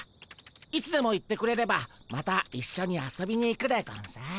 いつでも言ってくれればまたいっしょに遊びに行くでゴンス。